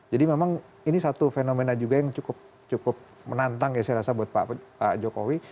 jadi memang ini satu fenomena juga yang cukup menantang ya saya rasa buat pak jokowi